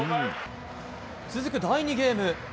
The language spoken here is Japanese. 続く第２ゲーム。